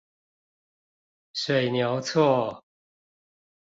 水牛厝